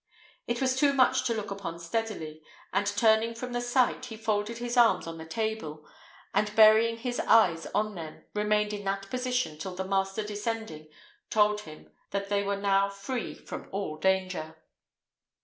It was too much to look upon steadily; and turning from the sight, he folded his arms on the table, and burying his eyes on them, remained in that position till the master descending told him that they were now free from all danger.